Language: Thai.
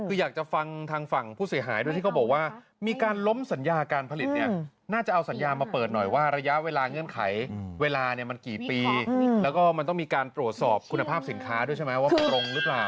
คืออยากจะฟังทางฝั่งผู้เสียหายด้วยที่เขาบอกว่ามีการล้มสัญญาการผลิตเนี่ยน่าจะเอาสัญญามาเปิดหน่อยว่าระยะเวลาเงื่อนไขเวลาเนี่ยมันกี่ปีแล้วก็มันต้องมีการตรวจสอบคุณภาพสินค้าด้วยใช่ไหมว่าตรงหรือเปล่า